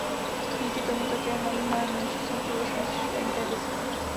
Díky tomu také mají mnohem menší svítivost než tenké disky.